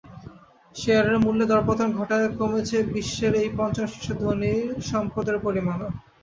শেয়ারের মূল্যে দরপতন ঘটায় কমেছে বিশ্বের এই পঞ্চম শীর্ষ ধনীর সম্পদের পরিমাণও।